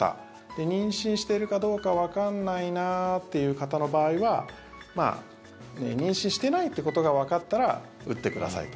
妊娠してるかどうかわからないなという方の場合は妊娠してないということがわかったら打ってくださいと。